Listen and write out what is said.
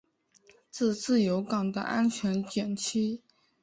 是自由党的安全选区。